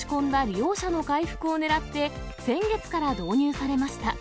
利用者の回復をねらって、先月から導入されました。